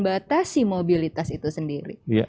batasi mobilitas itu sendiri